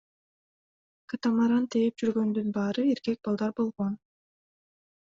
Катамаран тээп жүргөндүн баары эркек балдар болгон.